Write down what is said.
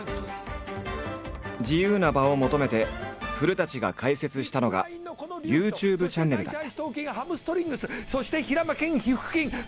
自由な場を求めて古が開設したのがＹｏｕＴｕｂｅチャンネルだった。